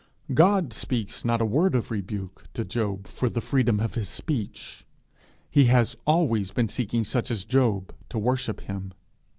God speaks not a word of rebuke to Job for the freedom of his speech: he has always been seeking such as Job to worship him.